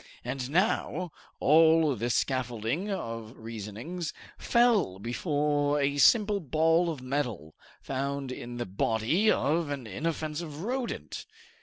And now, all this scaffolding of reasonings fell before a simple ball of metal, found in the body of an inoffensive rodent!